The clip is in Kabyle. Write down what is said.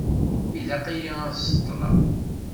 Ilaq-iyi ad ṣeṭṭeleɣ.